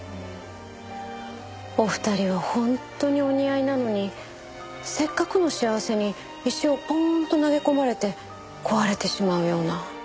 お二人は本当にお似合いなのにせっかくの幸せに石をポーンと投げ込まれて壊れてしまうような。